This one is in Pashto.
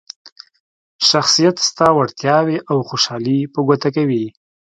شخصیت ستا وړتیاوې او خوشحالي په ګوته کوي.